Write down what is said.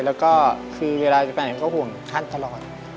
แล้วก็คือเวลาจะไปไหนก็ห่วงท่านตลอด